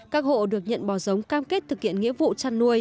các hộ được nhận bò giống cam kết thực hiện nghĩa vụ chăn nuôi